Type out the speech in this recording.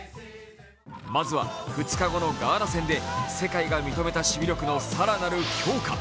まずは、２日後のガーナ戦で、世界が認めた守備力の更なる強化。